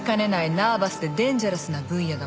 ナーバスでデンジャラスな分野だものね。